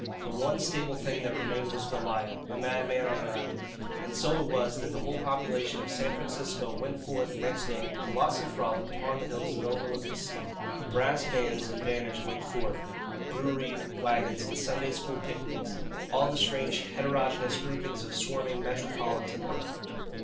The one stable thing that remained was Goliah, a madman on an island. And so it was that the whole population of San Francisco went forth next day in colossal frolic upon the hills that overlooked the sea. Brass bands and banners went forth, brewery wagons and Sunday school picnics all the strange heterogeneous groupings of swarming metropolitan life.